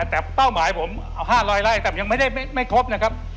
แต่เป้าหมายผม๕๐๐ไร่แต่ยังไม่ครบนะครับ